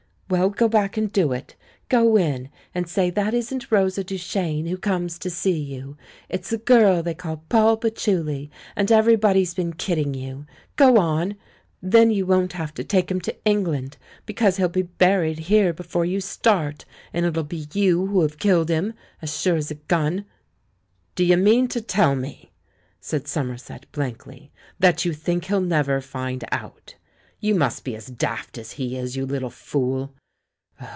Well, go back and do it. Go in and say, 'That isn't Rosa Duchene who comes to see you ; it's a girl they call "Poll Patchouli" and everybody's been kidding you.' Go on! Then you won't have to take him to England — because he^ll be buried here before you start; and it'll be you who'll have killed him, as sure as a gun!" "D'ye mean to tell me," said Somerset blankly, "that you think he'll never find out? You must be as daft as he is, you little fool.